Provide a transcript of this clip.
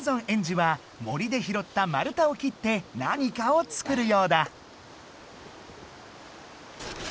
エンジは森でひろった丸太を切って何かをつくるようだ。